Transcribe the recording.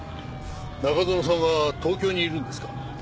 中園さんは東京にいるんですか？